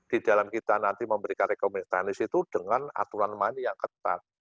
di dalam kita nanti memberikan rekomendasi teknis itu dengan aturan main yang ketat